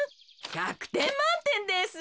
１００てんまんてんです。